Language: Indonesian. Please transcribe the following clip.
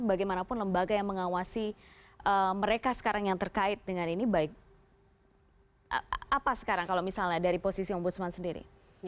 bagaimanapun lembaga yang mengawasi mereka sekarang yang terkait dengan ini baik apa sekarang kalau misalnya dari posisi ombudsman sendiri